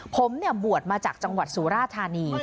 ผมบวชมาจากจังหวัดสุราธานี